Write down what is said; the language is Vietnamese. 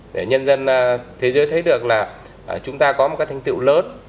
để nhân dân thế giới thấy được là chúng ta có một cái thành tiệu lớn